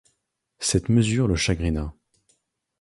Cette mesure le chagrina.